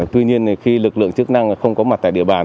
tuy nhiên khi lực lượng chức năng không có mặt tại địa bàn